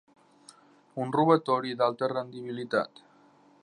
Un robatori d'alta rendibilitat.